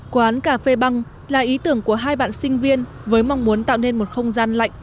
quán cà phê băng là ý tưởng của hai bạn sinh viên với mong muốn tạo nên một không gian lạnh